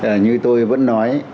vâng như tôi vẫn nói